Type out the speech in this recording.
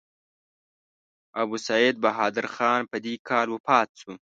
ابوسعید بهادر خان په دې کال وفات شو.